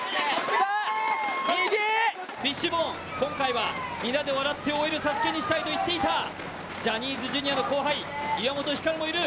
フィッシュボーン、今回は皆で笑って終えるＳＡＳＵＫＥにしたいと言っていた、ジャニーズＪｒ．の後輩・岩本照もいる。